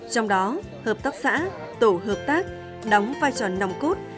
trong đó hợp tác xã tổ hợp tác đóng vai tròn nồng cốt